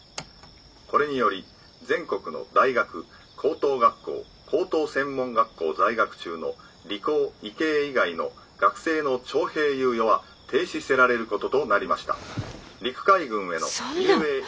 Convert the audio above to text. これにより全国の大学高等学校高等専門学校在学中の理工医系以外の学生の徴兵猶予は停止せられる事となりました」。